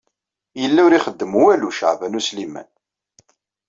Yella ur ixeddem walu Caɛban U Sliman.